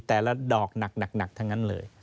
แต่ละดอกหนักทั้งนั้นเลย